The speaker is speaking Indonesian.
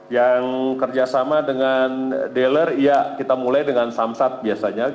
yang kerjasama dengan dealer ya kita mulai dengan samsat biasanya